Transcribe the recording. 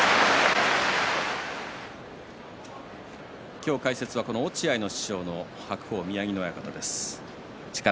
今日、解説は落合の師匠の白鵬宮城野親方です。